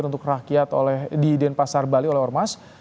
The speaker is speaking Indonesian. untuk rakyat di denpasar bali oleh ormas